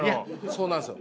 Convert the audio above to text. そうなんですよ。